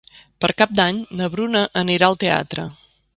Per Cap d'Any na Bruna anirà al teatre.